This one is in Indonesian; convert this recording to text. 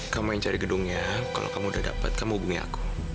kamu yang cari gedungnya kalau kamu sudah dapat kamu hubungi aku